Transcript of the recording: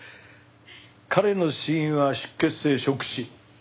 彼の死因は出血性ショック死。